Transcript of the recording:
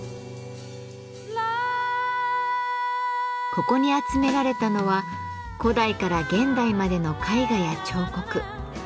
ここに集められたのは古代から現代までの絵画や彫刻。